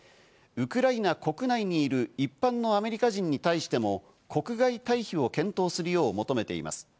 ウクライナ国内にいる一般のアメリカ人に対しても国外退避を検討するよう求めています。